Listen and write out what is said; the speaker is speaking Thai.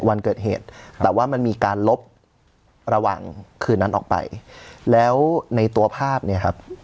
วันเกิดเหตุแต่ว่ามันมีการลบระหว่างคืนนั้นออกไปแล้วในตัวภาพเนี่ยครับ